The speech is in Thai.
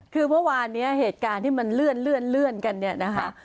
คือเมื่อวานนี้เหตุการณ์ที่มันเลื่อนกันเนี่ยนะคะ